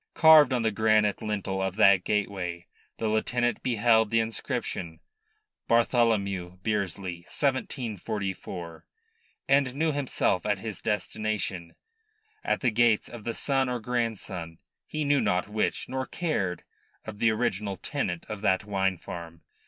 Carved on the granite lintel of that gateway, the lieutenant beheld the inscription, "BARTHOLOMEU BEARSLEY, 1744," and knew himself at his destination, at the gates of the son or grandson he knew not which, nor cared of the original tenant of that wine farm.